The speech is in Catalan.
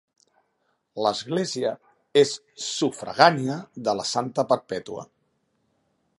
L'església és sufragània de la de Santa Perpètua.